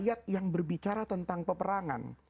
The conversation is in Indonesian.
ayat yang berbicara tentang peperangan